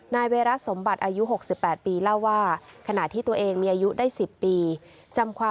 นายเวรัสสมบัติอายุ๖๘ปีเล่าว่า